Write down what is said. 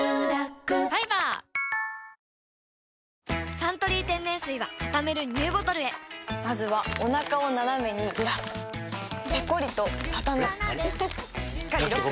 「サントリー天然水」はたためるＮＥＷボトルへまずはおなかをナナメにずらすペコリ！とたたむしっかりロック！